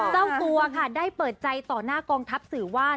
เจ้าตัวค่ะได้เปิดใจต่อหน้ากองทัพสื่อว่า